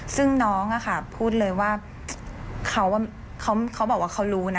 ซึ่งน้องพูดเลยว่าเขาบอกว่าเขารู้นะ